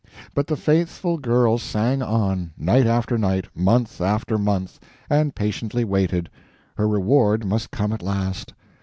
But the faithful girl sang on, night after night, month after month, and patiently waited; her reward must come at last.